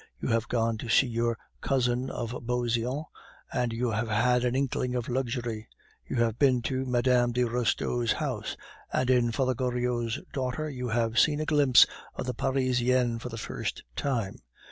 You have gone to see your cousin of Beauseant, and you have had an inkling of luxury; you have been to Mme. de Restaud's house, and in Father Goriot's daughter you have seen a glimpse of the Parisienne for the first time.